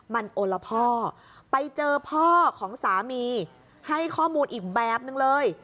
มันโอละพ่อไปเจอพ่อของสามีให้ข้อมูลอีกแบบนึงเลย